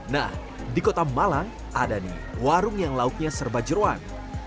nah di kota malang ada nih warung yang lauknya serba jeruan